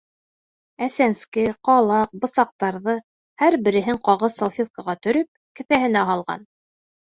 Ә сәнске, ҡалаҡ, бысаҡтарҙы, һәр береһен ҡағыҙ салфеткаға төрөп, кеҫәһенә һалған.